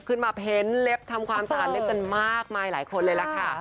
ขึ้นมาเพ้นเล็บทำความสะอาดเล็บกันมากมายหลายคนเลยล่ะค่ะ